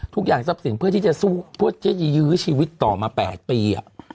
ทุกอย่างทรัพย์จับศริงเพื่อที่จะยื้อชีวิตต่อมา๘ปี